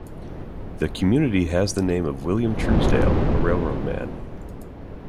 The community has the name of William Truesdale, a railroad man.